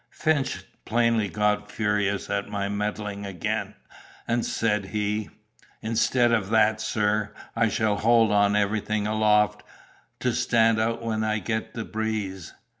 Finch had plainly got furious at my meddling again, and said he, 'Instead of that, sir, I shall hold on everything aloft, to stand out when I get the breeze!